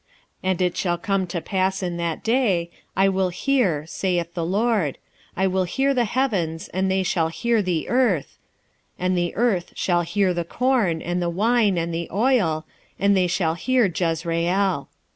2:21 And it shall come to pass in that day, I will hear, saith the LORD, I will hear the heavens, and they shall hear the earth; 2:22 And the earth shall hear the corn, and the wine, and the oil; and they shall hear Jezreel.